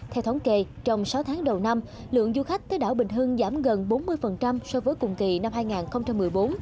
theo thống kê trong sáu tháng đầu năm lượng du khách tới đảo bình hưng giảm gần bốn mươi so với cùng kỳ năm hai nghìn một mươi bốn